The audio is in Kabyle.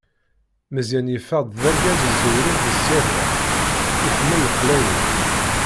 Meẓyan yeffeɣ-d d argaz iẓewren di ṣṣyada, iḥemmel lexlawi.